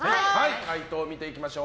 解答を見ていきましょう。